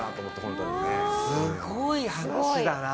すごい話だなあ。